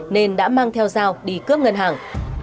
nên đã mang theo dao đi cướp ngân hàng